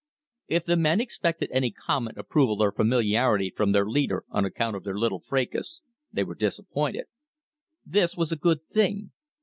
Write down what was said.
If the men expected any comment, approval, or familiarity from their leader on account of their little fracas, they were disappointed. This was a good thing.